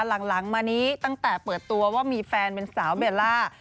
หลังมานี้ตั้งแต่เปิดตัวว่ามีแฟนเป็นสาวเบลล่า